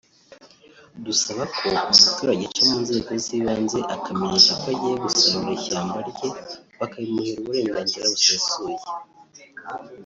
Dusaba ko umuturage aca mu nzego z’ibanze akamenyesha ko agiye gusarura ishyamba rye bakabimuhera uburenganzira busesuye”